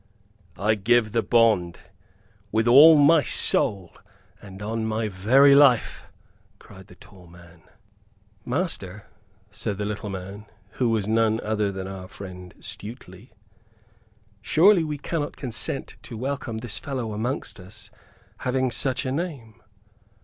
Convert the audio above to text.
"I give the bond, with all my soul, and on my very life," cried the tall man. "Master," said the little man, who was none other than our friend Stuteley, "surely we cannot consent to welcome this fellow amongst us having such a name?